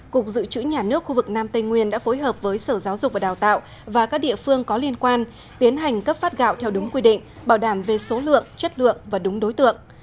cục dự trữ nhà nước khu vực nam tây nguyên đã phối hợp với sở giáo dục và đào tạo và các địa phương có liên quan tiến hành cấp phát gạo theo đúng quy định bảo đảm về số lượng chất lượng và đúng đối tượng